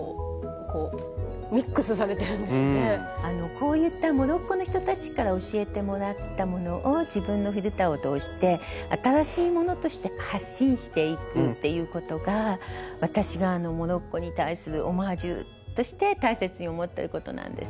こういったモロッコの人たちから教えてもらったものを自分のフィルターを通して新しいものとして発信していくっていうことが私がモロッコに対するオマージュとして大切に思ってることなんです。